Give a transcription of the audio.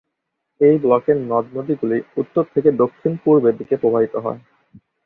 এই ব্লকের নদ-নদীগুলি উত্তর থেকে দক্ষিণ-পূর্বে দিকে প্রবাহিত।